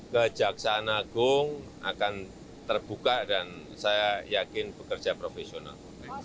kejaksaan agung akan terbuka dan saya yakin bekerja profesional